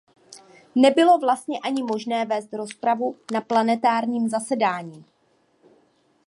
Nebylo vlastně ani možné vést rozpravu na plenárním zasedání.